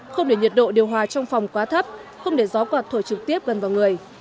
không để nhiệt độ điều hòa trong phòng quá thấp không để gió quạt thổi trực tiếp gần vào người